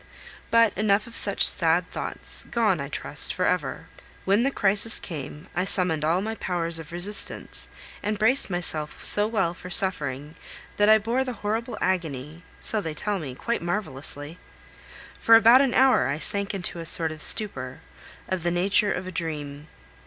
But enough of such sad thoughts, gone, I trust, for ever. When the crisis came, I summoned all my powers of resistance, and braced myself so well for suffering, that I bore the horrible agony so they tell me quite marvelously. For about an hour I sank into a sort of stupor, of the nature of a dream.